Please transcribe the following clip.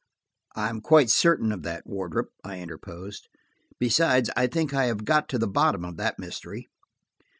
"I am quite certain of that, Wardrop," I interposed. "Beside, I think I have got to the bottom of that mystery."